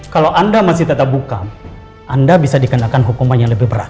kalau anda masih tetap buka anda bisa dikenakan hukuman yang lebih berat